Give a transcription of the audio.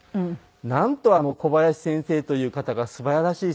なんとあの小林先生という方が素晴らしい先生か。